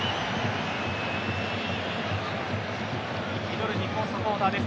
祈る日本サポーターです。